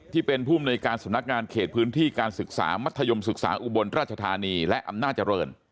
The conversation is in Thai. ที่เป็นผู้มนุยการสำนักงานเขตพื้นที่การศึกษามัธยมศึกษาอุบลราชธานีและอำนาจริง